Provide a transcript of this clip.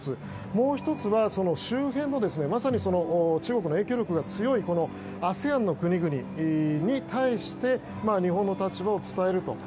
もう１つは、その周辺の中国の影響力が強いＡＳＥＡＮの国々に対して日本の立場を伝えると。